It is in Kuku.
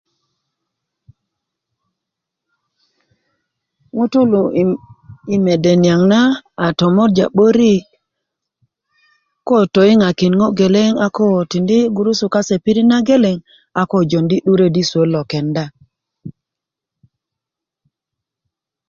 ŋutulu i i mede niyaŋ na a tomorja 'börik koo toyiŋakin a ŋo' geleŋ a tindi' gurusu kase i pirit na geleŋ a ko jondi 'duret i suwöt lo kenda